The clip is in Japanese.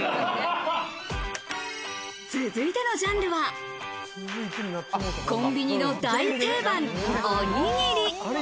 続いてのジャンルは、コンビニの大定番・おにぎり。